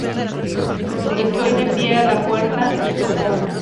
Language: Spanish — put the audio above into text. Estoy de pie a la puerta y toco.